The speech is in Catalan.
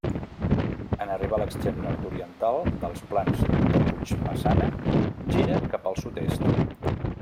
En arribar a l'extrem nord-oriental dels Plans de Puigmaçana gira cap al sud-est.